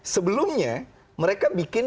sebelumnya mereka bikin